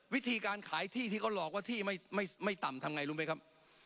วิธีการขายที่ที่เขาหลอกว่าที่ไม่ต่ำทำไงรู้ไหมครับ